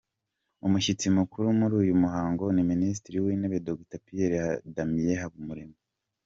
Umushyitsi mukuru muri uyu muhango ni Minisitiri w’Intebe Dr Pierre Damien Habumuremyi.